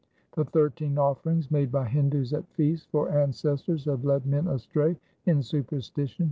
3 The thirteen offerings 4 made by Hindus at feasts for an cestors have led men astray in superstition.